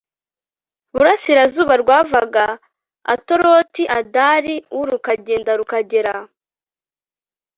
burasirazuba rwavaga ataroti adari u rukagenda rukagera